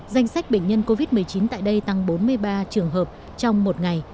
danh sách bệnh nhân covid một mươi chín tại đây tăng bốn mươi ba trường hợp trong một ngày